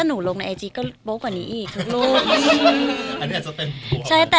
อ๋อหนูก็ลงปกติอะ